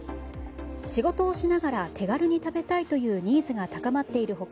仕事をしながら手軽に食べたいというニーズが高まっている他